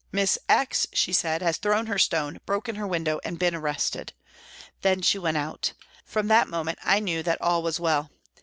" Miss X.," she said, " has thrown her stone, broken her window, and been arrested." Then she went out. From NEWCASTLE 209 that moment I knew that all was well.